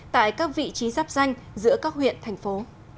tại các vị trí giáp danh giữa các huyện thành phố